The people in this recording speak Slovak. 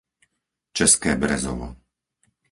České Brezovo